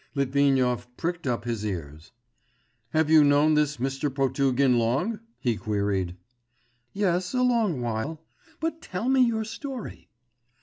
Litvinov pricked up his ears. 'Have you known this Mr. Potugin long?' he queried. 'Yes, a long while ... but tell me your story.